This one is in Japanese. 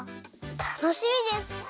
たのしみです！